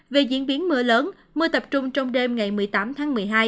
về diễn biến mưa lớn mưa tập trung trong đêm ngày một mươi tám tháng một mươi hai